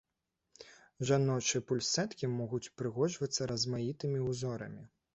Жаночыя пульсэткі могуць упрыгожвацца размаітымі ўзорамі.